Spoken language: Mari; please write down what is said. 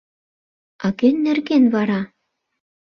— А кӧн нерген вара?